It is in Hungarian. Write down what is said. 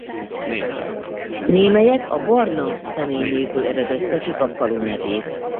Némelyek a Barna személynévből eredeztetik a falu nevét.